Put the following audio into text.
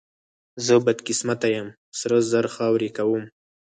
زه بدقسمته یم، سره زر خاورې کوم.